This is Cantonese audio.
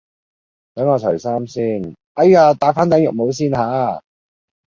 等我除衫先，哎呀戴返頂浴帽先吓